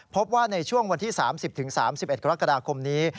พบว่าในช่วงวันที่๓๐๓๑กรกฎาคมนี้